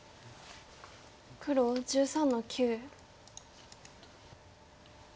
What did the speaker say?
黒１３の九。